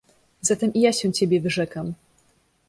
— Zatem i ja się ciebie wyrzekam!